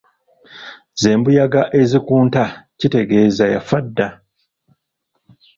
Ze mbuyaga ezikunta kitegeeza yafa dda.